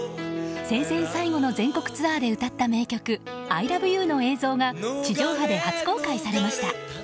生前最後の全国ツアーで歌った名曲「ＩＬＯＶＥＹＯＵ」の映像が地上波で初公開されました。